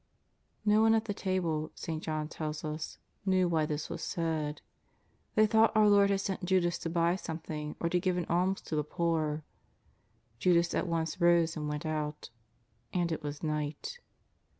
No one at the table, St. John tells us, knew why this was said. They thought our Lord had sent Judas tc buy something, or to give an alms to the poor. Judas at once rose and went out. And it was night.